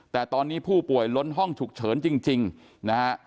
แต่ตอนนี้ผู้ป่วยล้นห้องฉุกเฉินจริงนะฮะ